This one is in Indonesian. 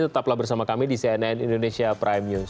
tetaplah bersama kami di cnn indonesia prime news